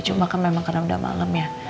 cuma kan memang karena udah malam ya